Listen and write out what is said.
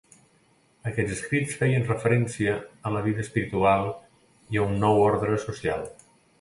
Aquests escrits feien referència a la vida espiritual i a un nou ordre social.